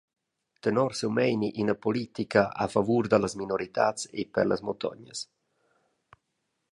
Tenor siu meini ina politica a favur dallas minoritads e per las muntognas.